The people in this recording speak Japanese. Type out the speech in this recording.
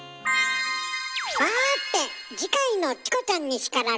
さて次回の「チコちゃんに叱られる」は？